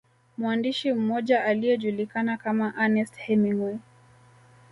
Mwandishi mmoja aliyejulikana kama Ernest Hemingway